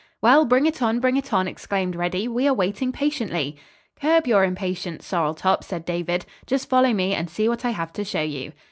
"Well, bring it on, bring it on," exclaimed Reddy. "We are waiting patiently." "Curb your impatience, Sorrel Top," said David. "Just follow me, and see what I have to show you."